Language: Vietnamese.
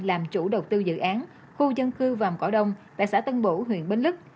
làm chủ đầu tư dự án khu dân cư vàm cỏ đông tại xã tân bổ huyện bến lức